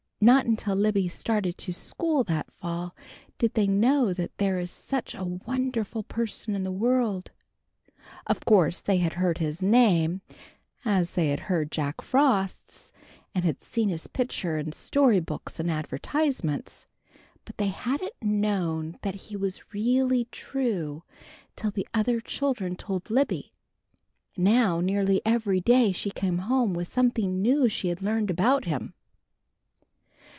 Not until Libby started to school that fall did they know that there is such a wonderful person in the world. Of course they had heard his name, as they had heard Jack Frost's, and had seen his picture in story books and advertisements, but they hadn't known that he is really true till the other children told Libby. Now nearly every day she came home with something new she had learned about him.